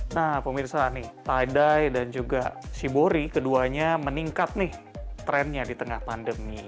nah pemirsa nih tidai dan juga shibori keduanya meningkat nih trennya di tengah pandemi